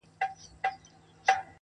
كبرجن وو ځان يې غوښـتى پــه دنـيـا كي.